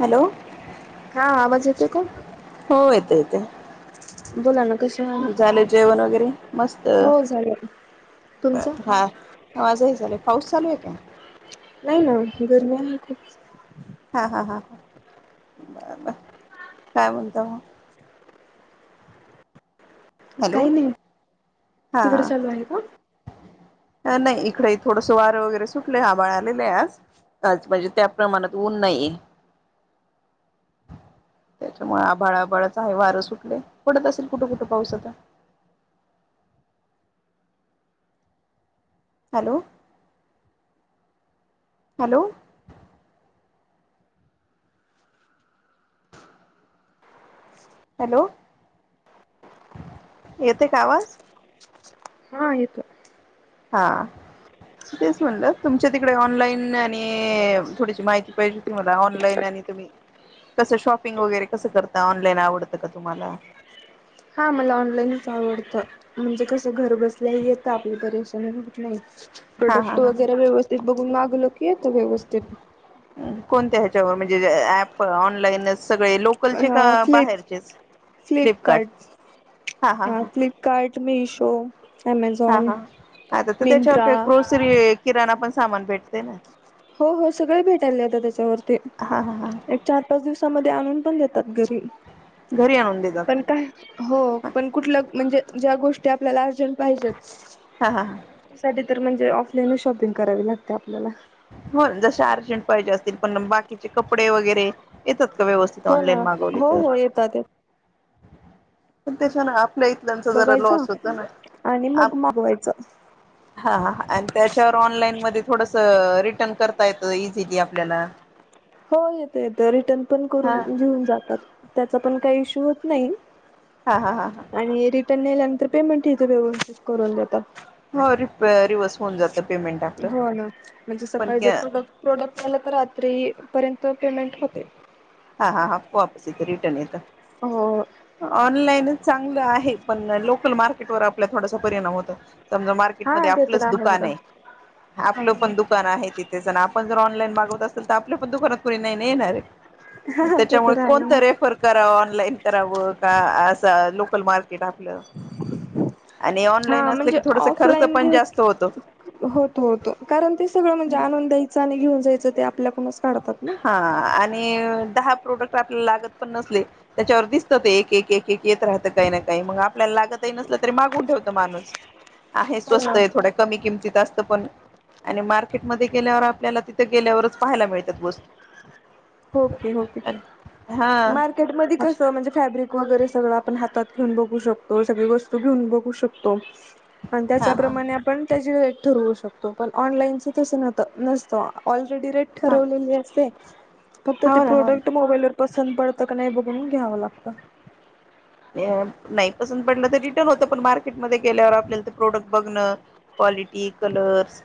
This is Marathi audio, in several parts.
हॅलो हा आवाज येतोय का? हो येतो येतो. बोला ना. कसे आहात? झाले जेवण वगैरे? मस्त. हो झालं. ब तुमचं? हा, माझं ही झालं. पाऊस चालू आहे का? नाही ना गर्मी आहे खूप. हा हा हा, काय म्हणता मग? हॅलो काही नाही, हा तिकडे चालू आहे का? नाही इकडे थोडसं वारं वगैरे सुटलंय आभाळ आलेले आज. आज म्हणजे त्या प्रमाणात ऊन नाही. त्याच्यामुळे आभाळ आभळाच आहे वारं सुटलंय, पडत असेल कुठं कुठं पाऊस आता [inaudible] हॅलो हॅलो हॅलो, येते का आवाज? हा येतो. हा. तेच म्हणलं तुमच्या तिकडे ऑनलाईन आणि थोडीशी माहिती पाहिजे होती मला ऑनलाईन आणि तुम्ही कसं शॉपिंग वगैरे कसं करता ऑनलाईन आवडतं का तुम्हाला? हा मला ऑनलाईनच आवडतं, म्हणजे कसं घर बसल्याही येतं आपल्या परेशानी होत नाही. हा हा प्रोडक्ट हा वगैरे व्यवस्थित बघून मागवलं की येतं व्यवस्थित. तेव्हा म्हणजे ऍप ऑनलाईन च सगळे लोकलचे का अ फ्लिप बाहेरचेच? फ्लिपकार्ट हा फ्लिपकार्ट, मिशो हा ॲमेझॉन, हा आाता तर त्याच्यावर मिंत्रा काही ग्रोसरी किराणा पण सामान भेटते ना हो हो सगळे भेटायलय आता त्याच्यावरती हा हा हा एक चार पाच दिवसामध्ये आणून पण देत तात घरी, घरी आणून पण देतात काय हो पण कुठलं म्हणजे ज्या गोष्टी आपल्याला अर्जंट पाहिजेत हा हा हा त्यासाठी तर म्हणजे ऑफलाईनच शॉपिंग करावी लागते आपल्याला. हो जसे अर्जंट पाहिजे असतील पण बाकीचे कपडे वैगरे येतात. व्यवस्थित हो ऑनलाईन ना मागवली हो तर, हो येतात पण त्याच्यानं आ ल्या इथल्यांचा जरा बघायचं लॉस होतं ना, आणि आप मग मागवायचं हा हा हा आणि त्याच्यावर ऑनलाईन मध्ये थोडसं रिटर्न करता येतं ईझीली आपल्याला. हो येतं येतं रिटर्न पण हा करून घेऊन जातात त्याचा पण काही इश्यू होत नाही. हा हा हा हा ते नेल्या नंतर पेमेंट ही ते व्यवस्थित करून देतात. हो री अ रिवस होऊन जातं पेमेंट आपलं हो ना, म्हणजे पण सकाळी जर हा तुला प्रोडक्ट आलं तर रात्रीपर्यंत त पेमेंट होते. हा हा हा वापस येतं रिटर्न येतं, हो ऑनलाईनच चांगलं आहे. पण ना लोकल मार्केट वर आपल्या थोडासा परिणाम होतो, समझा हा मार्केटमध्ये ते तर आपलंच आहे दुकान बघा हे आपलं पण दुकान आहे तिथेच अन् आपण जर ऑनलाईन मागवत असेल तर आपलं पण दुकानात कोणी नाही ना येणार. हा ते त्याच्यामुळे तर आहे कोणतं रेफर करावं ऑनलाईन करावं का असं लोकल मार्क केट आपलं, आणि ऑनलाईन हा असलं म्हणजे की थोडसं खर्च ऑफलाईन पण घेत जास्त होतो. होतो, होतो. कारण ते सगळं म्हणजे आणून द्यायचं आणि घेऊन जायचं ते आपल्याकूनच - - हा आणि नी दहा प्रोडक्ट आपल्याला लागत पण नसले त्याच्यावर दिसत ते एक एक एक एक येत राहतं काही ना काही नी मंगआपल्याला लागतही नसलं तरी मागुन ठेवतं माणूस आहे हो स्वस्त ना. आहे थोड कमी किम - - तिथ असत पण आणि मार्केटमध्ये गेल्यावर आपल्याला तिथं गेल्यावरच पाहायला मिळतात वस्तू. होकी होकी हा मार्केटमध्ये कस म्हणजे फॅब्रिक वगैरे सगळं आपण हातात - - घेऊन बघू शकतो. सगळी वस्तू घेऊन बघू शकतो. आणि हा हा त्याच्याप्रमाणे आपण त्याची रेट ठरवू - शकतो. पण ऑनलाईन च तस नत नसत ऑलरेडी रेट हा ठरवलेली असते फक्त ते हो ना हो प्रोडक्ट मोबाईलवर पसंत पडतं का नाही बघून घ्यावं लागत. नाही. पसंत पडलं तर रिटर्न होत. पण मार्केटमध्ये गेल्यावर आपल्याला ते प्रोडक्ट बघणं, क्वालिटी, कलर्स.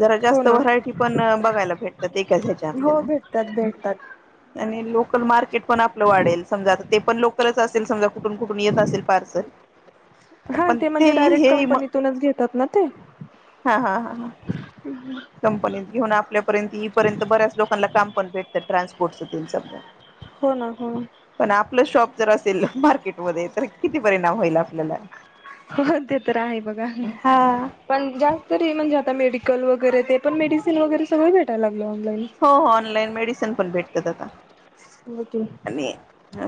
जरा हो जास्त ना. व्हरायटी पण बघायला भेटतात. एकाच ह्याचे हो आपल्याला - भेटतात भेटतात - आणि लोकल मार्केट पण आपलं वाढेल. समजा आता ते पण लोकलच असेल समजा - कुठून कुठून येत असेल पार्सल. हा पण ते म्हणजे डायरेक्ट हे म कंपनीतूनच घेतात ना ते. हा. हा. हा ह. कंपनीत घेऊन आपल्यापर्यंत येईपर्यंत बऱ्याच लोकांनला काम पण भेटत्यात ट्रान्सपोर्ट च ते सगळं. हो ना, हो. जर असेल मार्केटमध्ये तर किती परिणाम होईल आपल्याला. हो ते तर आहे बघा हा पण जास्त तरी म्हणजे आता मेडी - - कल वैगरे ते पण मेडिसीन वैगरे सगळ भेटाय ला हो हो ऑनलाईन मेडिसिन पण भेटतात आता. ओके आणि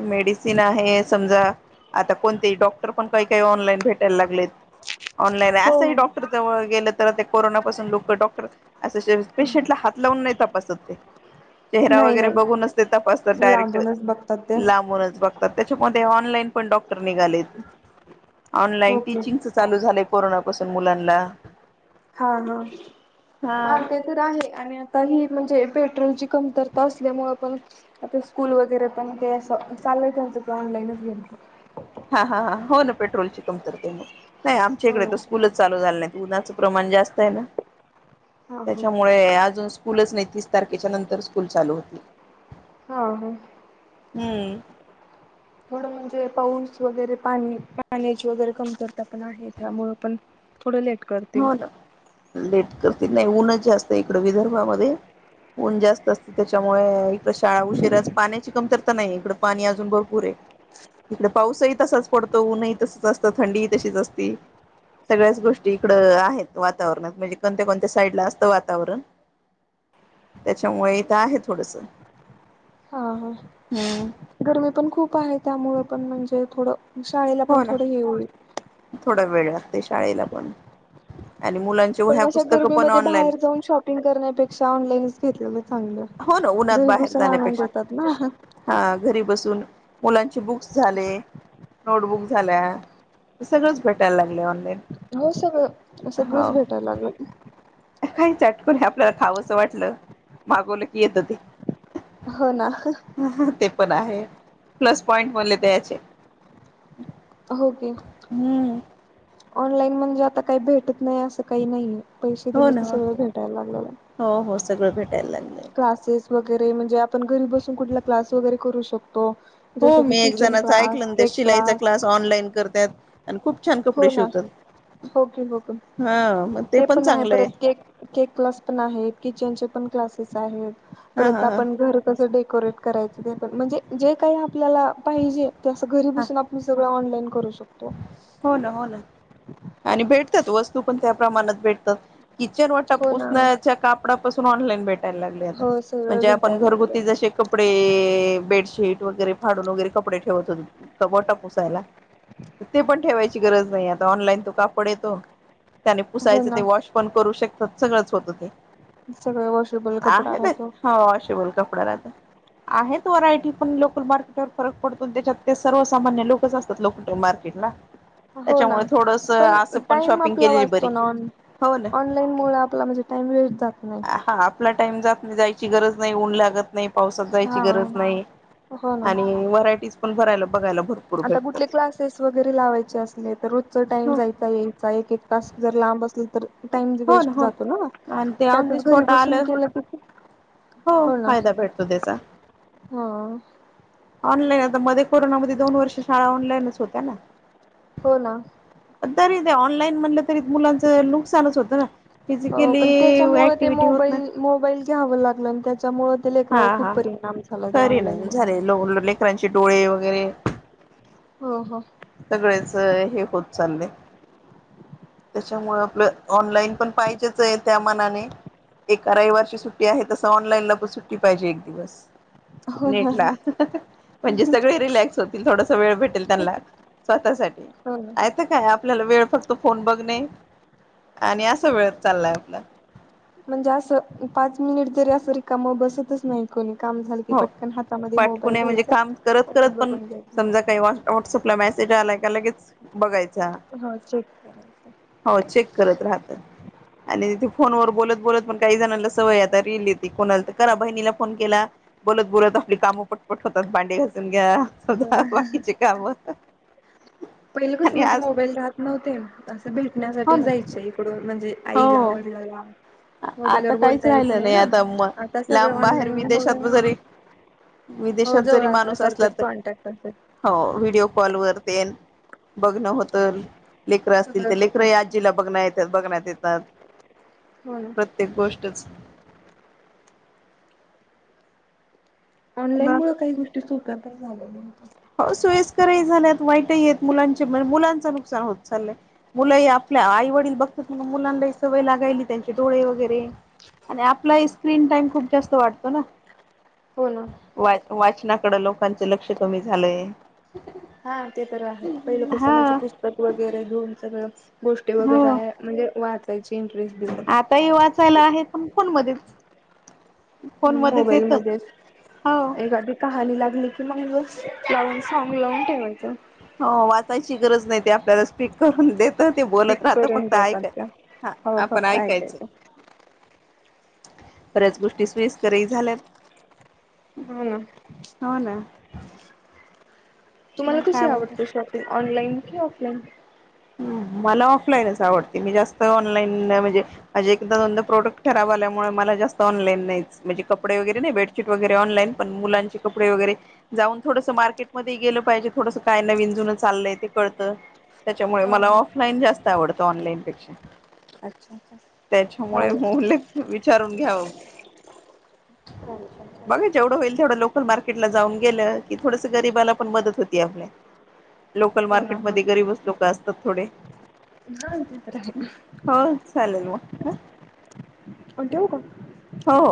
मेडिसिन आहे. समझा - - आता कोणते डॉक्टर पण काही काही ऑनलाईन भेटायल लागलेत. ऑनलाईन हो असंही डॉक्टर जवळ गेलं तर ते कोरोना पासुन लोकं डॉक्टर असं श पेशंटला हात लाव उन नाही तपासत ते चेहरा नाही वैगरे नाही बघुन च ते तपासतात डायरेक्ट - - त लांबूनच बघतात ते लांबूनच बघतात. त्याच्यामध्ये ऑनलाईन पण डॉक्टर निघालेत. ऑनलाईन ओके टिचींग च चालू झालंय. कोरोनापासुन मुलांनला. हा, हा. आमच्या ते तर आहे आणि आता ही म्हणजे पेट्रोलची कमतरता असल्यामुळं पण आता स्कूल वैगरे पण ते अस चाललंय त्यांच ते ऑनलाईनच घ्यायचं. हा हा हा हो ना पेट्रोलची कमतरतेमुळे. नाही आमच्या हो इकडे तर ना स्कूलच चालू झाले नाहीत उन्हाच. प्रमाण जास्त हाय ना हा हा त्याच्यामुळे अजून - - स्कूलच नाही तीस तारखेच्या नंतर स्कूल चालू होती. हा हा. हम्. थोडं म्हणजे, पाऊस वगैरे पाणी, पाण्याची वगैरे कमतरता पण आहे. त्यामुंळ पण- थोडं लेट करतील. हो ना लेट करते, नाही उनच जास्त इकडं विदर्भामध्ये. ऊन जास्त असते. त्याच्यामुळे इकड शाळा उशिराच पाण्याची कमतरता नाही इकडं. पाणी अजून भरपूर आहे. इकडे पाऊसही तसाच पडतो, ऊनही तसच असतं थंडी तशीच असते सगळ्याच गोष्टी इकडं आहेत वातावरणात. म्हणजे कोणत्या कोणत्या साईड ला असतं वातावरण. त्याच्यामुळे इथ आहे थोडस. ह ह. हम्म गरमी पण खूप आहे, त्यामुळे पण म्हणजे थोडं शाळेला पण हो ना थोडं हे होईल. थोडा वेळ लागतयं शाळेला पण आणि मुलांच्या पण वह्या अशा पुस्तकं पण गर्मीमध्ये ऑनलाईन बाहेर जाऊन शॉपिंग करण्यापेक्षा ऑनलाईनच घेतलेलं चांगलं. हो ना, उन्हात घरी बाहेर बसून आणून जाण्यापेक्षा देतात ना. हा घरी बसून. मुलांचे बुक्स झाले. नोटबुक झाल्या. ते सगळच भेटायला लागलय ऑनलाईन. हो सगळं सगळंच हो भेटायला लागेल. काही चटकण आपल्याला खावं असं वाटलं मागवलं की येतं ते. हो ना. ते पण आहे प्लस पॉइंट म्हणले याचे. हो की. हम्म ऑनलाईन म्हणजे आता काही भेटत नाही असं काही नाहीय. पैसे हो दिले ना की सगळं भेटायला लागलेयं. हो हो सगळं भेटायला लागलंय क्लासेस वगैरे म्हणजे, आपण घरी बसून कुठला क्लास वगैरे करू शकतो. जस हो की मी एक किचन जणाच क्लास, ऐकलं ना ते केक शिलाईचा क्लास- ऑनलाईन करतात आणि खूप छान हो कपडे ना, शिवतात हो कि हो कि. ते पण आहे परत केक, केक क्लास पण आहे किचनचे पण क्लास आहे. हा परत हा हा आपण घरी कस डेकोरेट करायच? ते पण म्हणजे, जे काही- आपल्याला पाहिजे ते असं घरी हा बसून आपण सगळं ऑनलाईन करू शकतो. हो ना हो ना. आणि भेटतात, वस्तू पण त्या प्रमाणात भेटतात. किचन वाटप हो ना [unintelligible] कापडापासून ऑनलाइन भेट हो सगळं म्हणजे आपण भेटायला लागलंय. घरगुती जसे कपडे- बेडशीट - शेट वगैरे फाडून वगैरे कपडे ठेवायचे मी वटा पुसायला. ते पण ठेवायची गरज नाही आता. ऑनलाईन तो कापड येतो. त्याने हो पुसायच ना ते वॉश पण करू शकत- सगळंच होत ते सगळ वॉशेबल कपडा आहे ना राहतो ह शिबोल कपडाला. ह आहेत व्हरायटी पण लोकल मार्केटवर फरक पडतो, त्याच्यात ते सर्वसामान्य लोकच असतात लोकल मार्केटला. [unintelligible] हो ना, पण असं टाईम शॉपिंग आपला केलेली वाचतो बरी ना ऑन हो ना. ऑनलाईन मुळ आपला म्हणजे टाइम वेस्ट जात नाही. हा आपला टाइम जात नाही. जायची गरज नाही. ऊन लागत नाही. पावसात जायची हा. गरज नाही, हो ना आणि व्हरायटीज पण भरायला बघायला भरपूर आता भेटतात कुठले क्लासेस व वगैरे लावायचे असले तर रोजच टाइम हो जायचा यायचा एक एक तास जर लांब असल तर- टाइम हो ना वेस्ट हो जातो ना? आणि ते ऑन द त्यातच घरी स्पॉट बसून आलं केलं क- हो ना. फायदा भेटतो त्याचा हो. ऑनलाईन, आता मध्ये कोरोनामध्ये दोन वर्ष शाळा ऑनलाईनच होत्या ना? हो ना. तरी ते ऑनलाईन म्हणलं तरी मुलांच नुकसानच होतं ना? हो, फिजिकली पण त्याच्यामुळे ते ऍक्टिव्हटी होत नाही मोबाईल मोबाईल ह लाग त्याच्यामुळे त्या हा लेकरावर खूप हा परिणाम झाला त्या तरी नाही ऑनलाईनमुळं - झाले - लेकरांचे डोळे वगैरे हो हो. सगळेच हे होत चालयं. त्याच्यामुळं आपलं ऑनलाईन पण पाहिजेच यं त्या मनाने - - एका रविवारची सुट्टी आहे तस ऑनलाईनला पण सुट्टी पाहिजे एक दिवस. हो ना नेटला म्हणजे सगळे रिलॅक्स होतील. थोडस वेळ भेटेल त्यांना. स्वतःसाठी हो ना. नायतर काय आपल्याला वेळ फक्त फोन बघणे आणि असा वेळ चाललाय आपला. म्हणजे असं पाच मिनिट जरी असं रिकाम बसतच नाही कोणी. काम झालं की हो. पटकन हातामध्ये पाठकुन मोबाईल म्हणजे घ्यायचा काम करत आणि करत पण बघून घ्यायचा. समजा काही व्हॉट्सपला मॅसे ज आलायका लगेच बघायच. हो चेक करायचं. हो चेक करत राहत आणि फोन वर बोलत बोलत पण काही जणला सवय आता रील येते कोणाला तर करा बहिणीला फोन केला - - बोलत बोलत आपली कामं पटपट होतात. भांडे घासून घ्या. हो सगळी ना. बाकीची काम- - पहिले कसं म्हणजे मोबाईल राहत नव्हते असं हो भेटण्यासाठी ना जायचे इकडून म्हणजे आईला हो वडलाला. आता काहीच राहिलं नाही, आता म आता सगळं लांब बाहेर ऑनलाईन मुळ विदेशात जरी हो विदेशात जवळ जरी माणूस असला, असल्यासारखंच तर कॉन्टॅक्ट असतात. हो व्हडिओ कॉल वर तेन बघण होतं, लेकरं असतील ते सगळंच लेकर होतं या आजीला बघण बघण्यात येतात, हो ना प्रत्येक गोष्टच ऑनलाईन ब मुळ काही गोष्टी सोप्या पण झाल्यात. हो सोयस्करही झाल्यात वाईटही आहेत, मुलांचे मुलांच नुकसान होत चाललंय मुलंही आपल्या आई वडील बघतात, म मुलांनाही सवय लागायली त्यांचे डोळे वगैरे आणि आपला स्क्रीन टाइम खूप जास्त वाटतो ना. हो ना. वा वाचनाकडे लोकांचं लक्ष कमी झालंय. हा ते तर आहे पहिलं कसं म्हणजे, हा पुस्तक वगैरे घेऊन सगळं गोष्टी हो वगैरे आहे म्हणजे वाचायची इंट आताही वाचायला आहे पण फोन मध्येच हम मोबाईल मध्येच हो एखादी कहाणी लागली की मग लावून सांग लावून ठेवायचं. हो वाचायची गरज नाही ते आपल्याला स्पीक करून देत. ते बोलत स्पीक राहत करून फक्त देतात ऐकाय त्या हा हवं आपण फक्त ऐकायचं. बऱ्याच गोष्टी सोयीस्करही झाल्यात. हम. हो ना तुम्हाला मग कसे काय म्हणता आवडते शॉपिंग ऑनलाइन कि ऑफलाईन? मला ऑफलाईनच आवडते, मी जास्त ऑनलाईन म्हणजे माझे एकदा दोनदा प्रोडक्ट खराब आल्यामुळे मला जास्त ऑनलाइन नाहीचं म्हणजे कपडे वगैरे नाही, बेडशिट वगैरे पण मुलांची कपडे वगैरे जाऊन थोडस मार्केटमध्ये ही गेलं पाहिजे, थोडस काय नविन जुनं चाललंय ते कळतं. त्याच्यामुळे हा मला हा. ऑफलाईन जास्त आवडतो, ऑनलाईन पेक्षा. अच्छा अच्छा त्याच्यामुळे चालेल. उल्लेख विचारून घ्यावं. बघा जेवढं होईल, तेवढं लोकल मार्केट ला जाऊन गेलं की थोडस गरीबाला पण मदत होती आपल्या. लोकल हो ना हो. मार्केटमध्ये गरीबच लोक असतात थोडे. राहतं. हो चालेल म ह. अ ठेवू का? हो हो.